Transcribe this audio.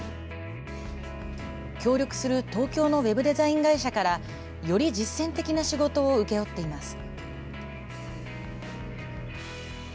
協力する東京のウェブデザイン会社から、より実践的な仕事を請け負っています。